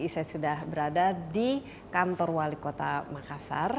saya sudah berada di kantor wali kota makassar